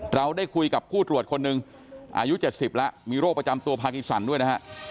เราได้คุยกับผู้ตรวจคนหนึ่งอายุ๗๐แล้วมีโรคประจำตัวพากินสันด้วยนะฮะ